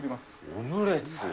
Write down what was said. オムレツ。